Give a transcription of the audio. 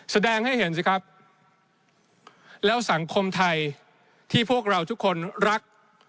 แสดงให้เห็นสิครับแล้วสังคมไทยที่พวกเราทุกคนรัก